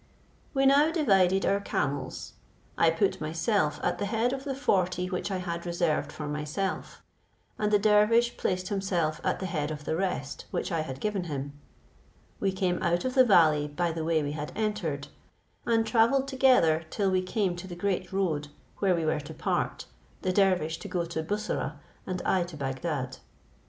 We now divided our camels. I put myself at the head of the forty which I had reserved for myself, and the dervish placed himself at the head of the rest which I had given him. We came out of the valley by the way we had entered, and travelled together till we came to the great road, where we were to part; the dervish to go to Bussorah, and I to Bagdad.